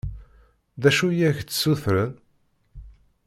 D acu i ak-d-ssutren?